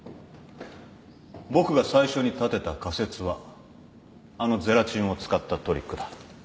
僕が最初に立てた仮説はあのゼラチンを使ったトリックだ。